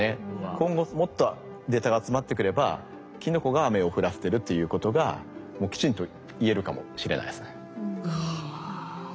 今後もっとデータが集まってくればキノコが雨を降らせてるっていうことがもうきちんといえるかもしれないですね。